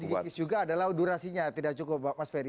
oke harus dikikis juga adalah durasinya tidak cukup pak mas ferry